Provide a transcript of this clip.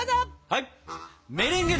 はい。